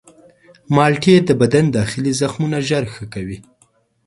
مالټې د بدن داخلي زخمونه ژر ښه کوي.